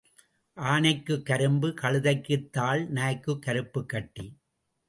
ஆனைக்குக் கரும்பு கழுதைக்குத் தாள் நாய்க்குக் கருப்புக் கட்டி.